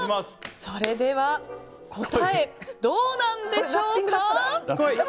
それでは答えどうなんでしょうか。